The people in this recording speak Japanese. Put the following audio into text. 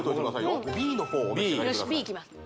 よしＢいきます